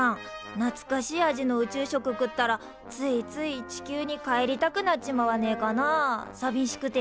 なつかしい味の宇宙食食ったらついつい地球に帰りたくなっちまわねえかなあさびしくて。